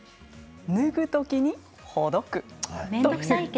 脱ぐときにほどく。